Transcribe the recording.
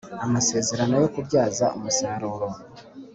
Amasezerano yo kubyaza umusaruro